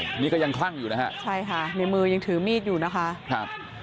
อันนี้ก็ยังคลั่งอยู่นะฮะในมือยังถือมีดอยู่นะฮะ